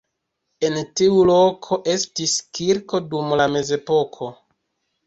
En tiu loko estis kirko dum la mezepoko.